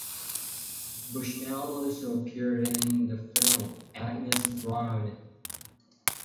Bushnell also appeared in the film "Agnes Browne".